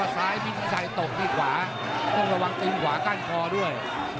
ซ้ายพิชิชัยตกที่ขวาต้องระวังตีนขวาก้านคอด้วย